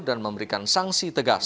dan memberikan sanksi tegas